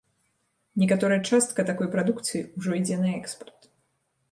Некаторая частка такой прадукцыі ўжо ідзе на экспарт.